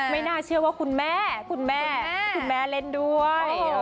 ไม่น่าเชื่อว่าคุณแม่คุณแม่เล่นด้วย